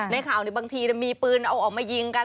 ในข่าวบางทีมีปืนเอาออกมายิงกัน